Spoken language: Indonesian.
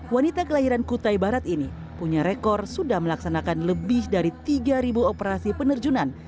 wanita kelahiran kutai barat ini punya rekor sudah melaksanakan lebih dari tiga operasi penerjunan